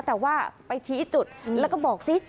แต่ว่าไปชี้จุดแล้วก็บอกซิ